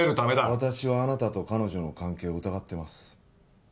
私はあなたと彼女の関係を疑ってます